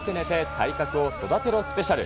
体格を育てろスペシャル。